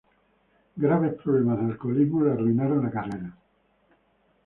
Graves problemas de alcoholismo le arruinaron la carrera.